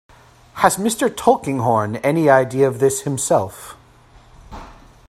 Has Mr. Tulkinghorn any idea of this himself?